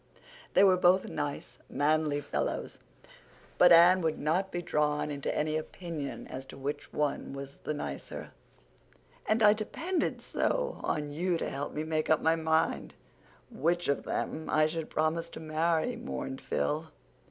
They were both nice, manly fellows, but Anne would not be drawn into any opinion as to which was the nicer. "And I depended so on you to help me make up my mind which of them I should promise to marry," mourned Phil.